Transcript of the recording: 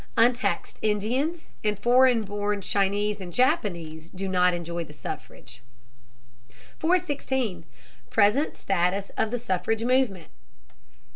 Untaxed Indians, and foreign born Chinese and Japanese do not enjoy the suffrage. 416. PRESENT STATUS OF THE SUFFRAGE MOVEMENT.